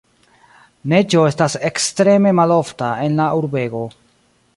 Neĝo estas ekstreme malofta en la urbego.